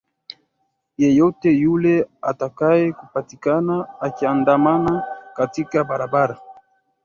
yeyote yule atakaye patikana akiandamana katika barabara